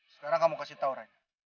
sekarang kamu kasih tau raja